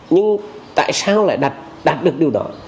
nhưng tại sao lại đạt được điều đó